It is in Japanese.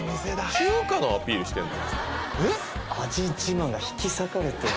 中華のアピールしてんの？